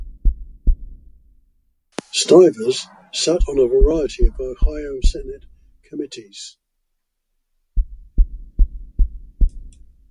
Stivers sat on a variety of Ohio Senate committees.